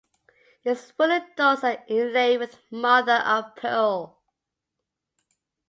Its wooden doors are inlaid with mother-of-pearl.